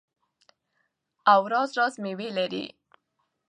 او راز راز میوې لري.